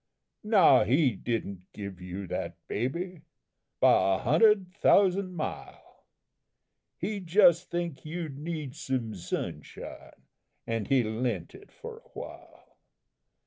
"Now, he didn't give you that baby, by a hundred thousan' mile! He just think you need some sunshine, an' He lent it for a while!